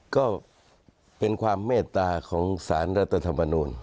ก็เป็นความเมตตาของสารรัฐธรรมนูล